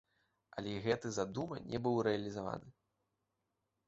Але гэты задума не быў рэалізаваны.